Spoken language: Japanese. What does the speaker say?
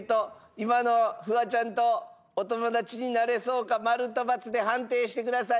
今のフワちゃんとお友達になれそうか○か×で判定してください